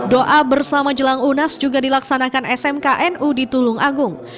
doa bersama jelang unas juga dilaksanakan smknu di tulung agung